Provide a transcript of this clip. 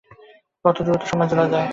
কত দ্রুত সময় চলে যায়।